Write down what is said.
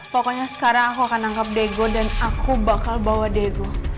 pokoknya sekarang aku akan angkap diego dan aku bakal bawa diego